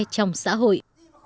trong xã hội